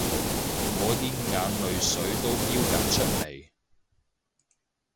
我啲眼淚水都標緊出嚟